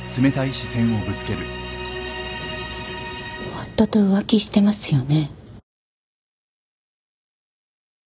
夫と浮気してますよね？